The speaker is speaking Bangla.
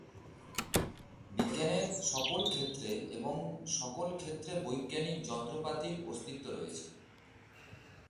বিজ্ঞানের সকল ক্ষেত্রে এবং সকল ক্ষেত্রে বৈজ্ঞানিক যন্ত্রপাতির অস্তিত্ব রয়েছে।